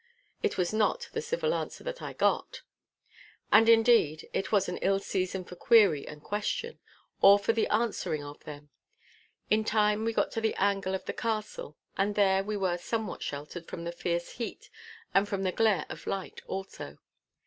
It was not the civil answer that I got. And, indeed, it was an ill season for query and question, or for the answering of them. In time we got to the angle of the castle, and there we were somewhat sheltered from the fierce heat and from the glare of light also.